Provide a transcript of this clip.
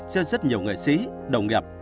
cho rất nhiều người xí đồng nghiệp